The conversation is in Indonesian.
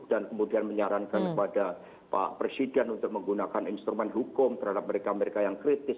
dan kemudian menyarankan kepada pak presiden untuk menggunakan instrumen hukum terhadap mereka mereka yang kritis